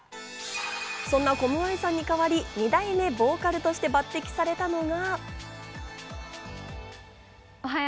そんなコムアイさんに代わり、２代目ボーカルとして抜擢されたのが。